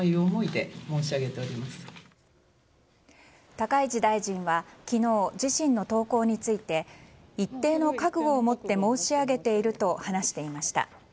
高市大臣は昨日、自身の投稿について一定の覚悟を持って申し上げていると話していました。